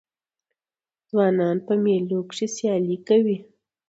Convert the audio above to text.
ځوانان په مېلو کښي سیالۍ کوي.